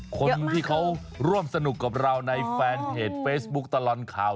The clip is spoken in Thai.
คนที่เขาร่วมสนุกกับเราในแฟนเพจเฟซบุ๊คตลอดข่าว